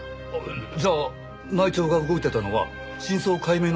じゃあ内調が動いてたのは真相解明のためじゃなくて？